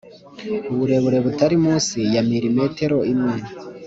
uburebure butari munsi ya milimetero imwe